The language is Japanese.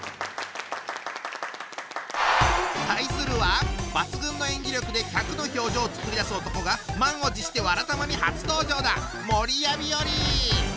対するは抜群の演技力で百の表情を作り出す男が満を持して「わらたま」に初登場だ！